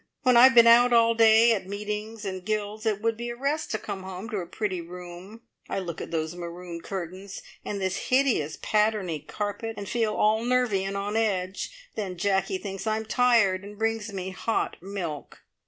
When I've been out all the day at meetings and guilds, it would be a rest to come home to a pretty room. I look at those maroon curtains, and this hideous patterny carpet, and feel all nervy and on edge; then Jacky thinks I am tired, and brings me hot milk."